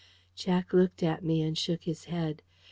Jack looked at me and shook his head.